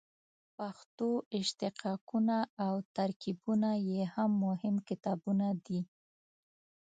پښتو اشتقاقونه او ترکیبونه یې هم مهم کتابونه دي.